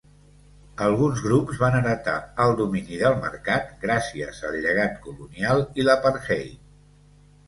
Alguns grups van heretà el domini del mercat gràcies al llegat colonial i l'apartheid.